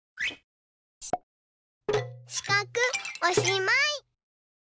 しかくおしまい。